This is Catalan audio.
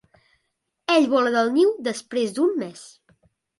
Ell vola del niu després d'un mes.